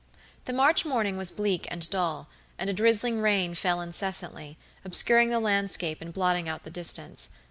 The March morning was bleak and dull, and a drizzling rain fell incessantly, obscuring the landscape and blotting out the distance.